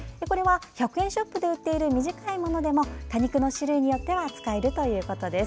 １００円ショップで売っている短いものでも多肉に種類によっては使えるということです。